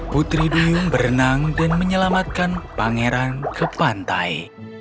putri duyung berenang dan menyelamatkan pangeran ke pantai